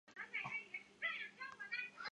尊贤馆的营运是台大第一次办理委外经营。